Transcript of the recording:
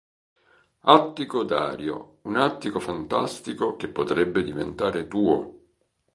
Attico Dario: un attico fantastico che potrebbe diventare tuo!!!